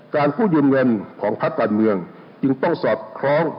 กู้ยืมเงินของพักการเมืองจึงต้องสอดคล้อง